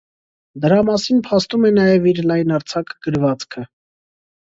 Դրա մասին փաստում է նաև իր լայնարձակ գրվածքը։